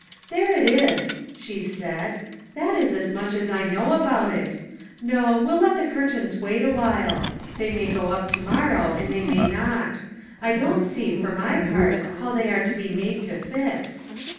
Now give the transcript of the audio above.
" There it is !" she said ;" that is as much as I know about it. No ; we'll let the cur tains wait awhile ; they may go up to morrow and they may not. I don't see, for my part, how they are to be made to fit."